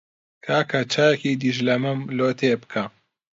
کاکە چایەکی دیشلەمەم لۆ تێ بکە.